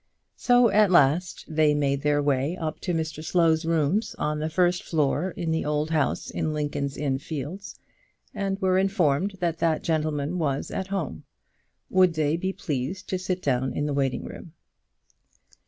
So at last they made their way up to Mr Slow's rooms, on the first floor in the old house in Lincoln's Inn Fields, and were informed that that gentleman was at home. Would they be pleased to sit down in the waiting room?